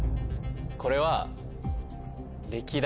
これは。